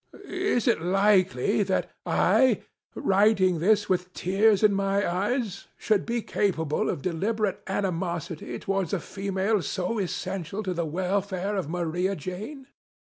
Is it likely that I, writing this with tears in my eyes, should be capable of deliberate animosity towards a female, so essential to the welfare of Maria Jane?